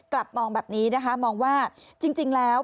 กลับมองแบบนี้นะคะมองว่าจริงแล้ว